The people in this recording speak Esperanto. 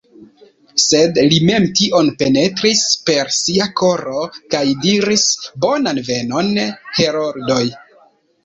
Sed li mem tion penetris per sia koro kaj diris: « Bonan venon, heroldoj!"